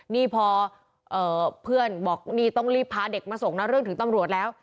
นี่พอเพื่อนบอกนี่ต้องรีบพาเด็กมาส่งนะเรื่องถึงตำรวจแล้ว